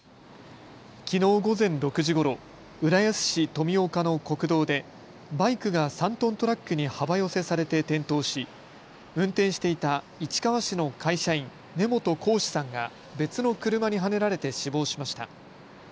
きのう午前６時ごろ、浦安市富岡の国道でバイクが３トントラックに幅寄せされて転倒し運転していた市川市の会社員、根本光士さんが別の車にはねられて死亡しました。